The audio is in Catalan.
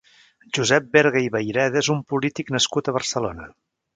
Josep Berga i Vayreda és un polític nascut a Barcelona.